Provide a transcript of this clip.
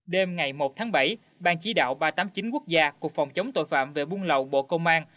đêm ngày một tháng bảy ban chỉ đạo ba trăm tám mươi chín quốc gia cục phòng chống tội phạm về buôn lậu bộ công an